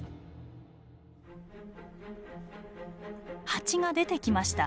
ハチが出てきました。